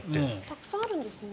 たくさんあるんですね。